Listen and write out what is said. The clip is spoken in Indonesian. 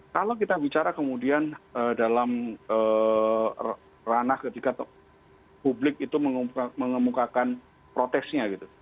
kalau kita bicara kemudian dalam ranah ketika publik itu mengemukakan protesnya gitu